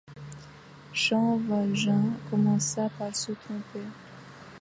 Jean Valjean commença par se tromper.